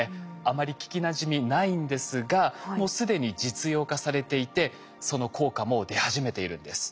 あまり聞きなじみないんですがもう既に実用化されていてその効果もう出始めているんです。